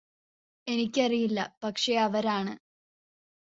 എനിക്കറിയില്ല പക്ഷേ അവരാണ്